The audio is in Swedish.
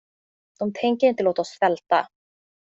De tänker inte låta oss svälta.